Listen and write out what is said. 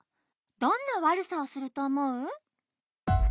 どんなわるさをするとおもう？